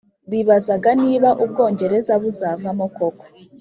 Bibazaga niba u Bwongereza buzavamo koko